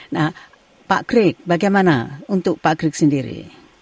nah pak greg bagaimana untuk pak grick sendiri